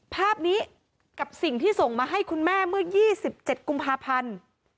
ภาพนี้กับสิ่งที่ส่งมาให้คุณแม่เมื่อ๒๗กุมภาพันธ์